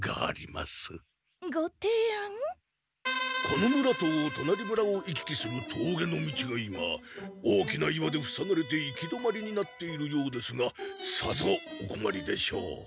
この村ととなり村を行き来するとうげの道が今大きな岩でふさがれて行き止まりになっているようですがさぞおこまりでしょう。